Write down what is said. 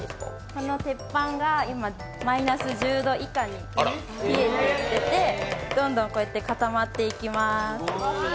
この鉄板が今マイナス１０度以下に冷えていて、どんどんこうやって固まっていきます。